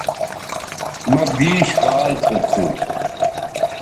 مہ بیش کال سو تھو